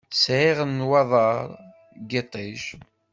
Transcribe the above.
Sɛiɣ nnwaḍeṛ n yiṭij.